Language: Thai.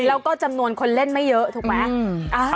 แล้วก็จำนวนคนเล่นไม่เยอะถูกไหม